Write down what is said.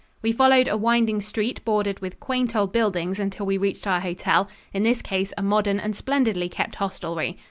We followed a winding street bordered with quaint old buildings until we reached our hotel in this case a modern and splendidly kept hostelry.